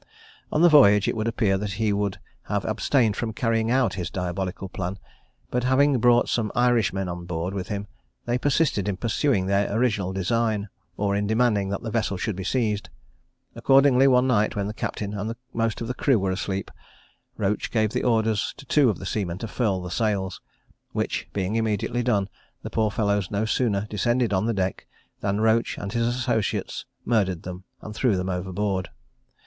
On the voyage, it would appear that he would have abstained from carrying out his diabolical plan; but having brought some Irishmen on board with him, they persisted in pursuing their original design, or in demanding that the vessel should be seized. Accordingly, one night, when the captain and most of the crew were asleep, Roach gave orders to two of the seamen to furl the sails; which being immediately done, the poor fellows no sooner descended on the deck, than Roach and his associates murdered them, and threw them overboard.